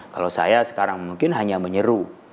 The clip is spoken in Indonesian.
kalau saya sekarang mungkin hanya menyeru